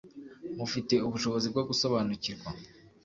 Mufite ubushobozi bwo gusobanukirwa